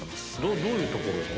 どういうところが？